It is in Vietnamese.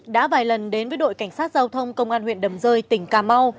đã vài lần đến với đội cảnh sát giao thông công an huyện đầm rơi tỉnh cà mau